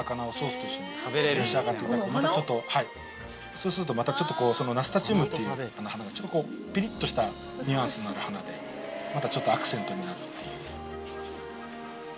そうするとまたちょっとナスタチウムという花がちょっとピリっとしたニュアンスのある花でまたちょっとアクセントになるっていう。